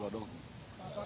seperti pasti kan